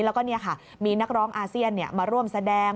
แล้วก็มีนักร้องอาเซียนมาร่วมแสดง